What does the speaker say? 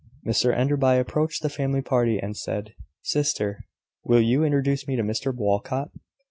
Mr Enderby approached the family party, and said "Sister, will you introduce me to Mr Walcot?"